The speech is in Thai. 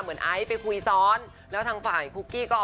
ไม่ได้เพราะว่าต่างคุณจังก็สูดอยู่